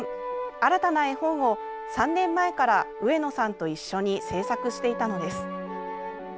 新たな絵本を３年前から上野さんと一緒に制作していたのです。